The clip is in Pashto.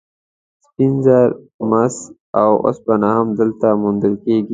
سپین زر، مس او اوسپنه هم دلته موندل کیږي.